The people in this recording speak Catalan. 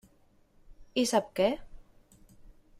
I sap què?